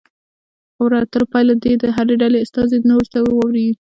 د خبرو اترو پایله دې د هرې ډلې استازي نورو ته واوروي.